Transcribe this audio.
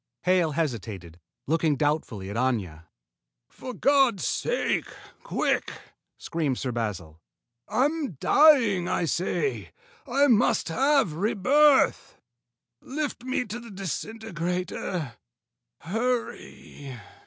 Hale hesitated, looking doubtfully at Aña. "For God's sake, quick!" screamed Sir Basil. "I'm dying, I say! I must have rebirth. Lift me to the disintegrator. Hurry!..."